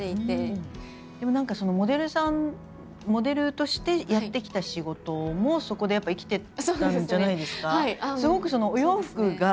でも何かモデルさんモデルとしてやってきた仕事もそこでやっぱ生きてたんじゃないですか？